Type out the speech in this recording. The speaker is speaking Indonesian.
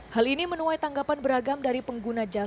hal ini menuai tanggapan beragam dari pengguna jasa